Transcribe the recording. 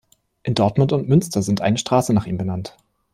In Dortmund und Münster sind eine Straße nach ihm benannt.